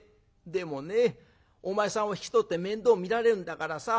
でもねお前さんを引き取って面倒見られるんだからさ。